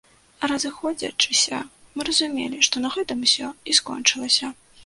Разыходзячыся, мы разумелі, што на гэтым усё і скончылася.